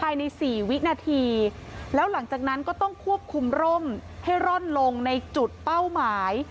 ภายใน๔วินาทีแล้วหลังจากนั้นก็ต้องควบคุมร่มให้ร่อนลงในจุดเป้าหมาย